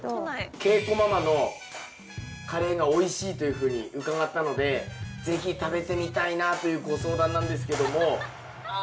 恵子ママのカレーが美味しいというふうに伺ったので是非食べてみたいなというご相談なんですけども。